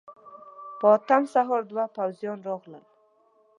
په اتم سهار دوه پوځيان راغلل.